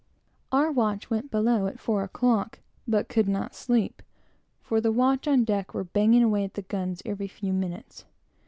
Our watch went below at four o'clock, but could not sleep, for the watch on deck were banging away at the guns every few minutes.